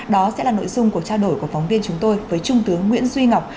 đó sẽ là nội dung cuộc trao đổi của phóng viên chúng tôi với trung tướng nguyễn duy ngọc